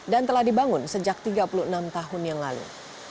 dan telah dibangun sejak tiga puluh enam tahun yang lalu